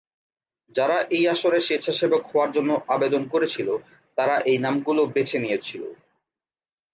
যারা এই আসরে স্বেচ্ছাসেবক হওয়ার জন্য আবেদন করেছিল তারা এই নামগুলো বেছে নিয়েছিল।